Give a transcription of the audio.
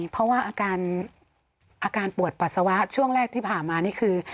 เพราะว่าอาการปวดปัสสาวะช่วงแรกที่ผ่านมานี่คือ